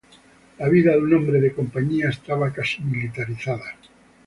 La vida de un hombre de compañía estaba casi militarizada.